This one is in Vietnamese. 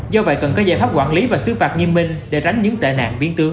do vậy cần có giải pháp quản lý và xứ phạt nghiêm minh để tránh những tệ nạn biến tướng